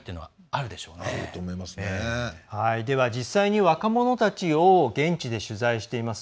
実際に若者たちを現地で取材しています